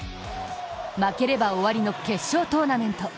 負ければ終わりの決勝トーナメント。